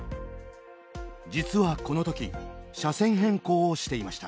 実はこの時車線変更をしていました。